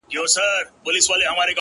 • يا الله تې راته ژوندۍ ولره ـ